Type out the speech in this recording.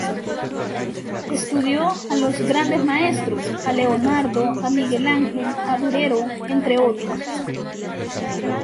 Estudió a los grandes maestros, a Leonardo, a Miguel Ángel, a Durero entre otros.